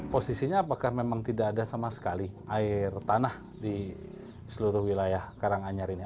posisinya apakah memang tidak ada sama sekali air tanah di seluruh wilayah karanganyar ini